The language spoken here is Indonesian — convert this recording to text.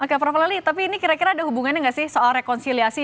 oke prof lali tapi ini kira kira ada hubungannya nggak sih soal rekonsiliasi